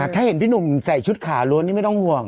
ถ้าเห็นพี่หนุ่มใส่ชุดขาล้วนนี่ไม่ต้องห่วง